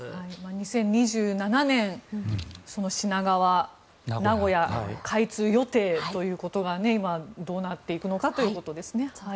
２０２７年品川名古屋開通予定ということが今、どうなっていくのかということですね。